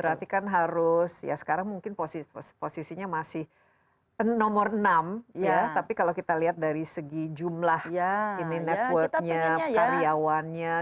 berarti kan harus ya sekarang mungkin posisinya masih nomor enam ya tapi kalau kita lihat dari segi jumlah ini networknya karyawannya